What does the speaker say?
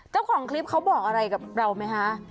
เจ้าของคลิปเขาบอกอะไรกับเราไหมคะ